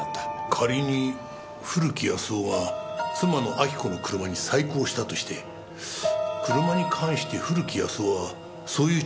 仮に古木保男が妻の亜木子の車に細工をしたとして車に関して古木保男はそういう知識があったんですか？